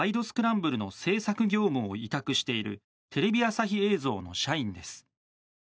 スクランブル」の制作業務を委託しているテレビ朝日映像の社員です。